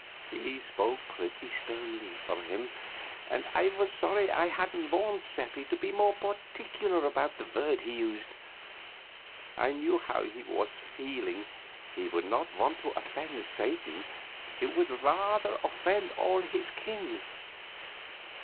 He spoke pretty sternly for him and I was sorry I hadn't warned Seppi to be more particular about the word he used. I knew how he was feeling. He would not want to offend Satan; he would rather offend all his kin.